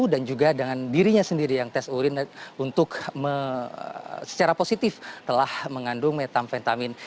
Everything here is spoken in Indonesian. dan juga dengan dirinya sendiri yang tes urin untuk secara positif telah mengandung metamfentamin